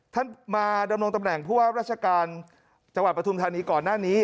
ท่านมาดำรงตำแหน่งผู้ว่าราชการจังหวัดปฐุมธานีก่อนหน้านี้